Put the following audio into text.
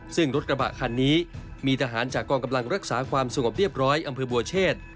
ซึ่งรถกระบะคันนี้มีทหารจากกองกำลังรักษาความสงบเรียบร้อยอำเภอบัวเชษ